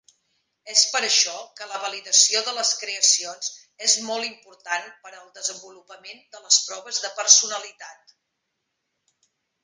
És per això que la validació de les creacions és molt important per al desenvolupament de les proves de personalitat.